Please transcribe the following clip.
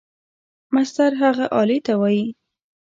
مسطر هغې آلې ته وایي.